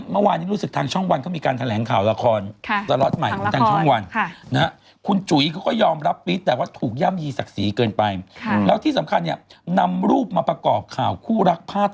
เมื่อวานยังรู้สึกทางช่องวันก็มีการแถลงข่าวละคร